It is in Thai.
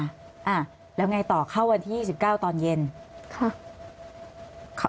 แล้วอย่างไรต่อเข้าวันที่๒๙ตอนเย็นค่ะ